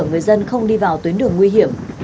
người dân không đi vào tuyến đường nguy hiểm